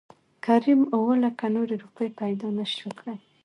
کريم اووه لکه نورې روپۍ پېدا نه شوى کړى .